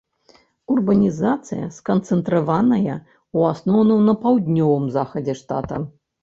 Урбанізацыя сканцэнтраваная ў асноўным на паўднёвым захадзе штата.